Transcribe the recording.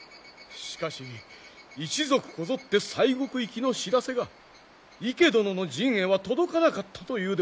しかし一族こぞって西国行きの知らせが池殿の陣へは届かなかったというではないか。